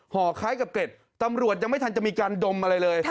่อคล้ายกับเกร็ดตำรวจยังไม่ทันจะมีการดมอะไรเลย